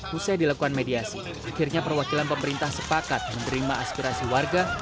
setelah dilakukan mediasi akhirnya perwakilan pemerintah sepakat menerima aspirasi warga